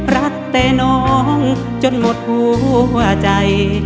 รักแต่น้องจนหมดหัวใจ